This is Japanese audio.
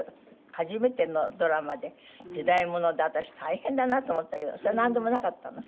初めてのドラマで時代物で私大変だなと思ったけどそれはなんでもなかったの？